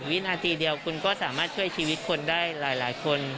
วินาทีเดียวคุณก็สามารถช่วยชีวิตคนได้หลายคน